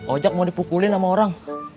ojek mau dipukulin sama orang